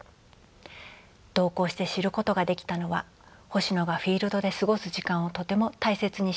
同行して知ることができたのは星野がフィールドで過ごす時間をとても大切にしていたこと。